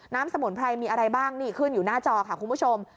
สมุนไพรมีอะไรบ้างนี่ขึ้นอยู่หน้าจอค่ะคุณผู้ชม